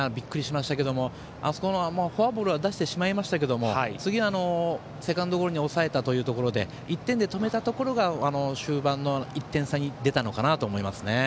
あそこはフォアボールを出してしまいましたけど次はセカンドゴロに抑えたというところで１点で止めたところが終盤の１点差に出たのかなと思いますね。